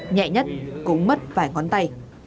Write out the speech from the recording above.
nhẹ nhất cũng mất vài ngón tay